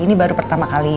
ini baru pertama kali